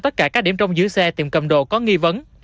tất cả các điểm trong giữ xe tiệm cầm đồ có nghi vấn